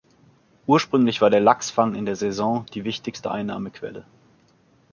Ursprünglich war der Lachsfang in der Saison die wichtigste Einnahmequelle.